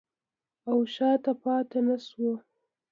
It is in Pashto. او شاته پاتې نشو.